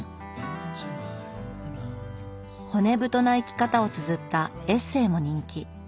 骨太な生き方をつづったエッセーも人気。